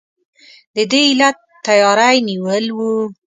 د دې علت تیاری نیول وو.